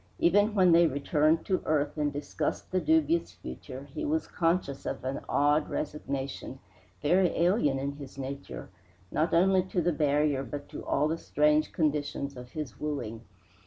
Even when they returned to earth and discussed the dubious future, he was conscious of an odd resignation, very alien in his nature, not only to the barrier but to all the strange conditions of his wooing.